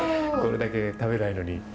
これだけ食べないのに。